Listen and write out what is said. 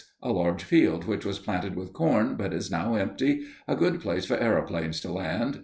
_A large field which was planted with corn, but is now empty. A good place for aeroplanes to land.